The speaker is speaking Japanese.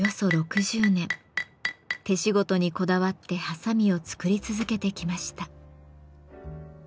手仕事にこだわってはさみを作り続けてきました。